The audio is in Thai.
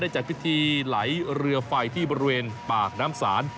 จัดพิธีไหลเรือไฟที่บริเวณปากน้ำศาล